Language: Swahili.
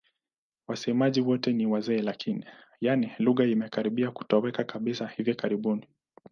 Wasemaji wote ni wazee lakini, yaani lugha imekaribia kutoweka kabisa hivi karibuni.